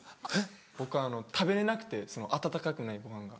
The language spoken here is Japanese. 僕あの食べれなくて温かくないごはんが。